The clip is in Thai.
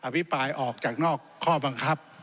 พิปรายออกจากนอกข้อบังคับ